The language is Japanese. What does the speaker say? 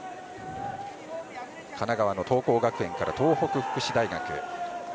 神奈川の桐光学園から東北福祉大学。